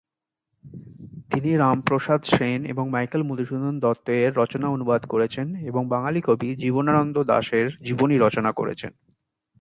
তিনি রামপ্রসাদ সেন এবং মাইকেল মধুসূদন দত্ত-এর রচনা অনুবাদ করেছেন এবং বাঙালি কবি জীবনানন্দ দাশের জীবনী রচনা করেছেন।